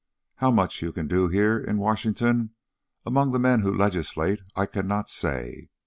How much you can do here in Washington among the men who legislate I cannot say.